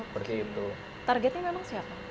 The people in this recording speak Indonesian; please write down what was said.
targetnya memang siapa